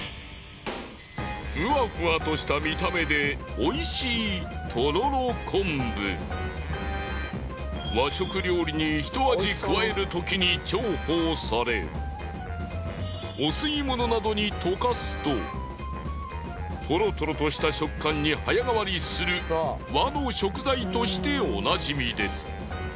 ふわふわとした見た目でおいしい和食料理にひと味加えるときに重宝されお吸い物などに溶かすとトロトロとした食感に早変わりする和の食材としておなじみです。